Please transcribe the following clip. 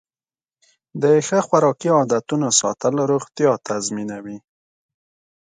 د ښه خوراکي عادتونو ساتل روغتیا تضمینوي.